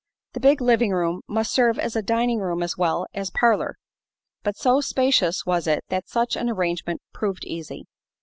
The big living room must serve as a dining room as well as parlor; but so spacious was it that such an arrangement proved easy.